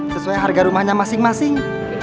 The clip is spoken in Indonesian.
sesuai harga rumahnya masing masing